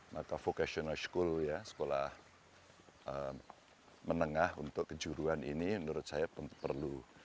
maka vocational school ya sekolah menengah untuk kejuruan ini menurut saya perlu